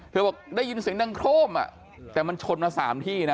บอกได้ยินเสียงดังโครมแต่มันชนมา๓ที่นะ